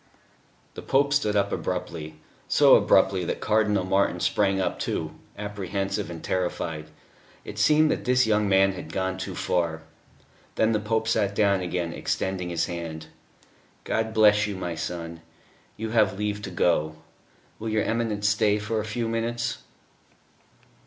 The Pope stood up abruptly so abruptly that Cardinal Martin sprang up too, apprehensive and terrified. It seemed that this young man had gone too far. Then the Pope sat down again, extending his hand. "God bless you, my son. You have leave to go.... Will your Eminence stay for a few minutes?"